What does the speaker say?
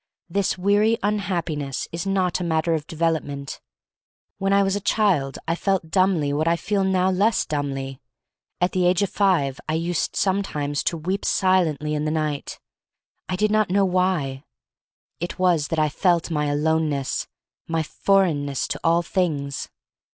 This weary unhappiness is not a matter of development. When I was a child I felt dumbly what I feel now less dumbly. At the age of five I used sometimes to weep silently in the night — I did not know why. It was that I felt my aloneness, my foreignness to all things.